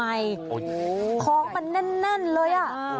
โอ้โฮไก่ของมันนั่นเลยอ่ะโอ้โฮใหญ่มาก